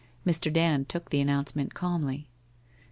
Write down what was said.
Mr. Dand took the announcement calmly.